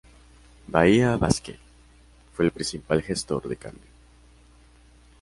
Bahía Basket fue el principal gestor de este cambio.